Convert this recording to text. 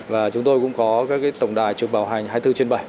và chúng tôi cũng có các tổng đài trực bảo hành hai mươi bốn trên bảy